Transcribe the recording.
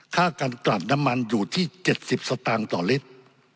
ค่าการกลัดน้ำมันอยู่ที่๗๐สตางค์ต่อลิตร